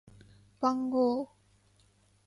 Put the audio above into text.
番号